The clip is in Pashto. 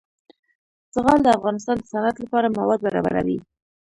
زغال د افغانستان د صنعت لپاره مواد برابروي.